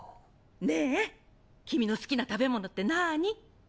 ねぇ君の好きな食べ物ってなぁに？